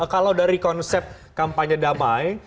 kalau dari konsep kampanye damai